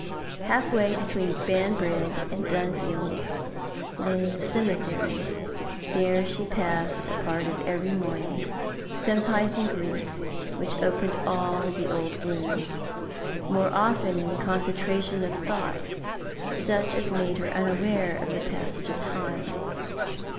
Half way between Banbrigg and Dunfield lay the cemetery; there she passed a part of every morning, sometimes in grief which opened all the old wounds, more often in concentration of thought such as made her unaware of the passage of time.